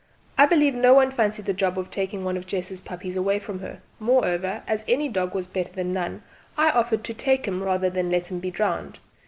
I believe no one fancied the job of taking one of Jess's puppies away from her; moreover, as any dog was better than none, I had offered to take him rather than let him be drowned.